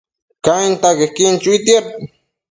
Cainta quequin chuitiad